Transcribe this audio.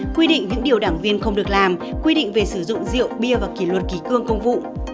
quy định những điều đảng viên không được làm quy định về sử dụng rượu bia và kỷ luật kỷ cương công vụ